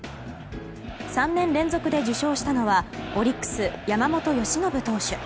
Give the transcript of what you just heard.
３年連続で受賞したのはオリックス、山本由伸投手。